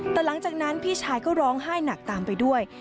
แต่หลังจากนั้นพี่ชายก็ร้องไห้หนักตามไปด้วย